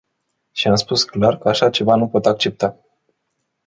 Și am spus clar că așa ceva nu pot accepta.